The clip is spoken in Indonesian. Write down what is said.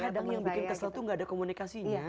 kadang yang bikin tersatu gak ada komunikasi gitu ya